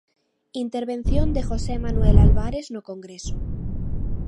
Intervención de José Manuel Albares no Congreso.